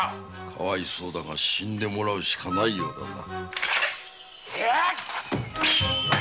かわいそうだが死んでもらうしかないようだな。